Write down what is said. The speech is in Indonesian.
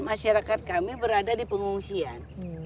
masyarakat kami berada di pengungsian